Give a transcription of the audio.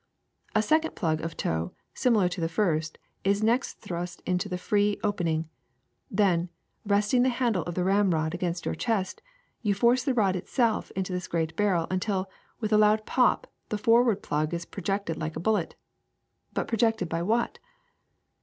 A second plug of tow, similar to the first, is next thrust into the free open ing. Then, resting the handle of the ramrod against your chest, you force the rod itself into the gun bar rel until, with a loud pop^ the forward plug is pro jected like a bullet. But projected by what?